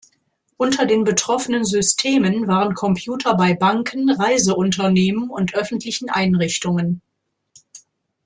Unter den betroffenen Systemen waren Computer bei Banken, Reiseunternehmen und öffentlichen Einrichtungen.